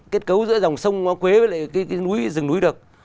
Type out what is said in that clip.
kết cấu giữa dòng sông quế với lại cái rừng núi đực